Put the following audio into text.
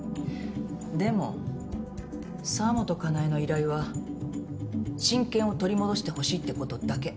でも澤本香奈江の依頼は親権を取り戻してほしいってことだけ。